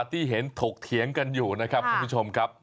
ที่เห็นถกเถียงกันอยู่นะครับคุณผู้ชมครับ